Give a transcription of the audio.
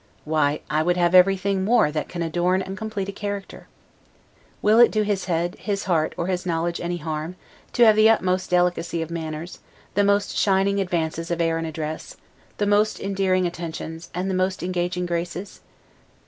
Why, I would have everything more that can adorn and complete a character. Will it do his head, his heart, or his knowledge any harm, to have the utmost delicacy of manners, the most shining advantages of air and address, the most endearing attentions, and the most engaging graces?